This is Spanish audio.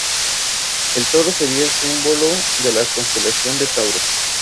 El toro sería el símbolo de la constelación de Tauro.